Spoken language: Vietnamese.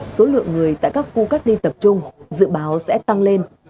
số lượng người tại các khu cách ly tập trung dự báo sẽ tăng lên